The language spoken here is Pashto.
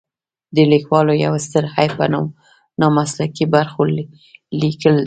د لیکوالو یو ستر عیب په نامسلکي برخو لیکل دي.